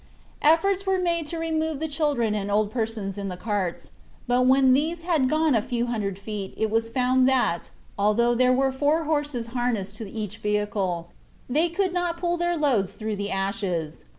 Efforts were made to remove the children and old persons in the carts, but when these had gone a few hundred feet it was found that, although there were four horses harnessed to each vehicle, they could not pull their loads through the ashes.